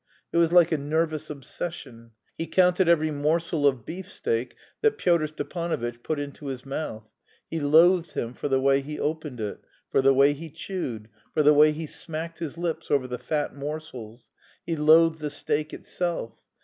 It was like a nervous obsession. He counted every morsel of beefsteak that Pyotr Stepanovitch put into his mouth; he loathed him for the way he opened it, for the way he chewed, for the way he smacked his lips over the fat morsels, he loathed the steak itself.